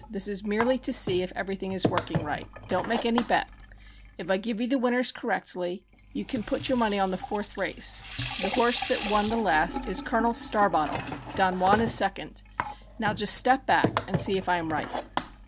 This is merely to see if everything is working right. Don't make any bet. If I give you the winners correctly, you can put your money on the fourth race. The horse that won the last is Col. Starbottle Don Juan is second. Now just step back and see if I am right."